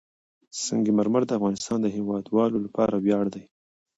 سنگ مرمر د افغانستان د هیوادوالو لپاره ویاړ دی.